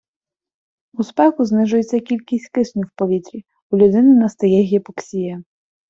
У спеку знижується кількість кисню в повітрі, у людини настає гіпоксія